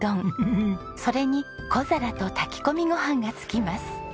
それに小皿と炊き込みご飯が付きます。